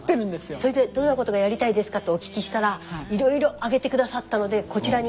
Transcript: それで「どんなことがやりたいですか？」とお聞きしたらいろいろ挙げて下さったのでこちらに。